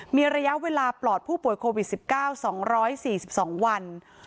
มีระยะเวลาปลอดผู้ป่วยโควิด๑๙๒๔๒วัน